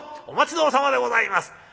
お待ち遠さまでございます」。